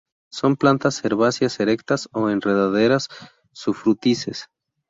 Son plantas herbáceas erectas o enredaderas sufrútices.